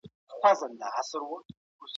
ایا ځايي کروندګر کاغذي بادام پروسس کوي؟